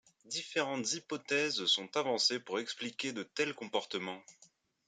Différentes hypothèses sont avancées pour expliquer de tels comportements.